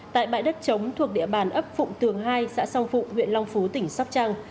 tại bãi đất trống thuộc địa bàn ấp phụng tường hai xã song phụng huyện long phú tỉnh sóc trăng